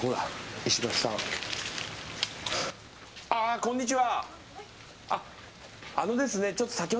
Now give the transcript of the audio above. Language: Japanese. こんにちは。